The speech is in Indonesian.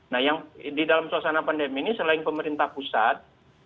nah yang di dalam suasana pandemi ini selain pemerintah pusat